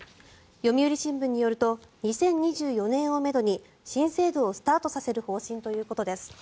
読売新聞によると２０２４年をめどに新制度をスタートさせる方針ということです。